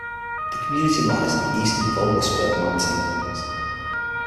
The community lies in the eastern Vogelsberg Mountains.